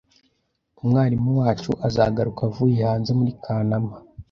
Umwarimu wacu azagaruka avuye hanze muri Kanama